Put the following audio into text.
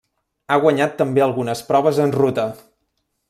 Ha guanyat també algunes proves en ruta.